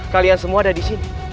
kalian semua ada disini